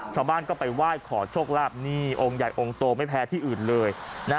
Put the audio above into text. ชาวบ้านก็ไปไหว้ขอโชคลาภนี่องค์ใหญ่องค์โตไม่แพ้ที่อื่นเลย